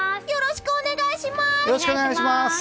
よろしくお願いします！